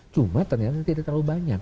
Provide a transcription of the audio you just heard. cuma ternyata tidak terlalu banyak